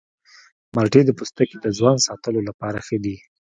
مالټې د پوستکي د ځوان ساتلو لپاره ښه دي.